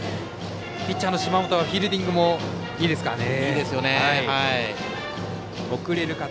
ピッチャーの芝本はフィールディングもいいですからね。